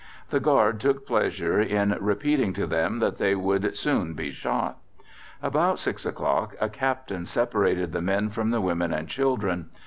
The guard took pleasure in repeating to them that they would soon be shot. About 6 o'clock a Captain separated the men from the women and children.